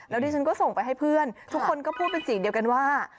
แล้วดิฉันก็ส่งไปให้เพื่อนทุกคนก็พูดเป็นเสียงเดียวกันว่า